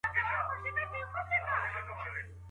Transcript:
ناوې بې سینګاره نه وي.